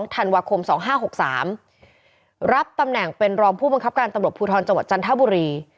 ธันวาคม๒๕๖๓รับตำแหน่งเป็นรองผู้บังคับการตำรวจภูทรจังหวัดจันทบุรี